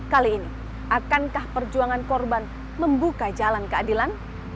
kali ini akankah perjuangan korban membuka jalan keadilan